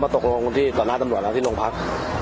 เข้าตกลงตอนนั้นตำนวดเราที่นกพรรม